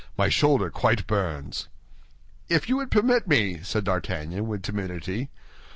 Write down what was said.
My shoulder quite burns." "If you would permit me—" said D'Artagnan, with timidity.